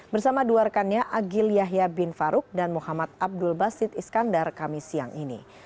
bersama dua rekannya agil yahya bin faruk dan muhammad abdul basid iskandar kami siang ini